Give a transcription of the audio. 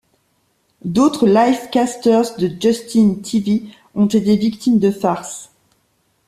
D’autres lifecasters de Justin.tv ont été victimes de farces.